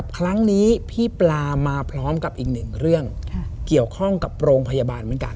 ครั้งนี้พี่ปลามาพร้อมกับอีกหนึ่งเรื่องเกี่ยวข้องกับโรงพยาบาลเหมือนกัน